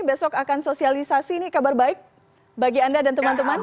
besok akan sosialisasi ini kabar baik bagi anda dan teman teman